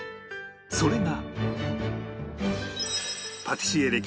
それが